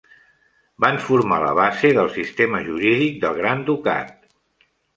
Van formar la base del sistema jurídic del Gran Ducat.